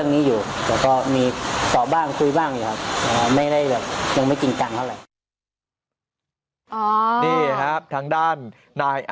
มีครับมีทักเข้ามาเยอะอยู่ครับแต่ว่าก็ยังเก็บกับเรื่องนี้อยู่